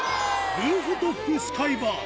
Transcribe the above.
ルーフトップスカイバー。